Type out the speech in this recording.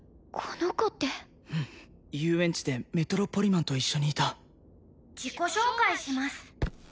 この子ってうん遊園地でメトロポリマンと一緒にいた自己紹介します